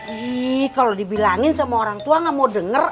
ih kalau dibilangin sama orang tua gak mau denger